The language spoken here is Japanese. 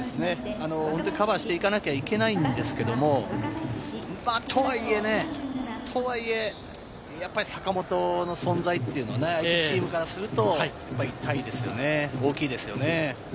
カバーしていかなきゃいけないんですけれど、とはいえね、やっぱり坂本の存在というのはチームからすると、痛いですよね、大きいですよね。